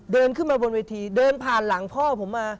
เดินขึ้นมาบนเวทีเดินผ่านหลังพ่อผมมา